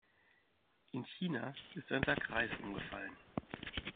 In China ist ein Sack Reis umgefallen.